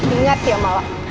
ingat ya mala